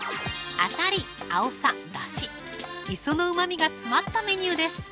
あさり・アオサ・だし磯の旨みが詰まったメニューです